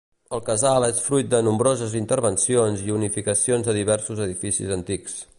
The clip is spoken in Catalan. El casal és fruit de nombroses intervencions i unificacions de diversos edificis antics.